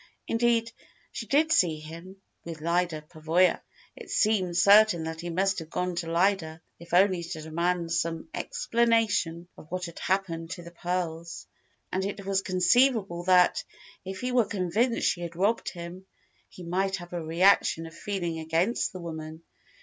Indeed, she did see him with Lyda Pavoya. It seemed certain that he must have gone to Lyda, if only to demand some explanation of what had happened to the pearls. And it was conceivable that, if he were convinced she had robbed him, he might have a reaction of feeling against the woman.